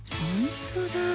ほんとだ